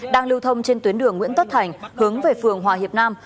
đang lưu thông trên tuyến đường nguyễn tất thành hướng về phường hòa hiệp nam